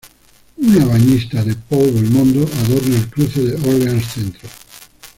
Una "bañista" de Paul Belmondo adorna el cruce de Orleans centro.